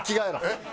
えっ？